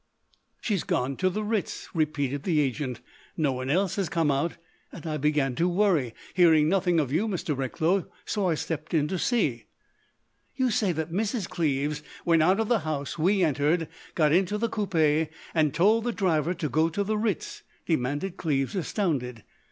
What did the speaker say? "She's gone to the Ritz," repeated the agent. "No one else has come out. And I began to worry—hearing nothing of you, Mr. Recklow. So I stepped in to see——" "You say that Mrs. Cleves went out of the house we entered, got into the coupé, and told the driver to go to the Ritz?" demanded Cleves, astounded.